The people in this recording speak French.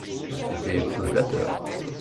C’était peu flatteur